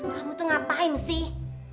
kamu tuh ngapain sih